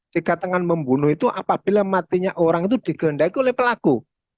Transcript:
jika dengan membunuh itu apabila matinya orang itu digendai oleh pelaku